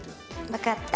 わかった。